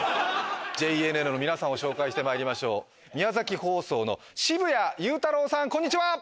ＪＮＮの皆さんを紹介してまいりましょう宮崎放送の澁谷祐太朗さんこんにちは！